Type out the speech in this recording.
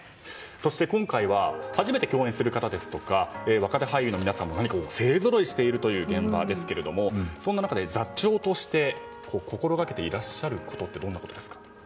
そして今回は初めて共演する方ですとか若手俳優の皆さんも勢ぞろいしている現場ですけれどもそんな中で座長として心がけていらっしゃることってどんなことですか？